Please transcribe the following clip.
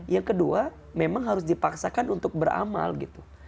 yang kedua memang harus dipaksakan untuk beramal gitu